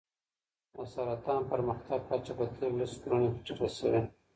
د سرطان پرمختګ کچه په تېرو لسو کلونو کې ټیټه شوې.